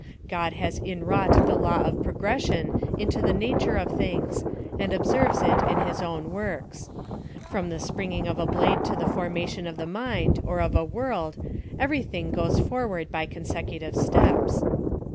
God has inwrought the law of progression into the nature of things, and observes it in his own works. From the springing of a blade to the formation of the mind, or of a world, every thing goes forward by consecutive steps.